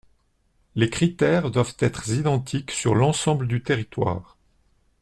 Les critères doivent être identiques sur l’ensemble du territoire.